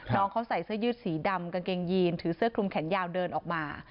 น้องเขาใส่เสื้อยืดสีดำกางเกงยีนถือเสื้อคลุมแขนยาวเดินออกมา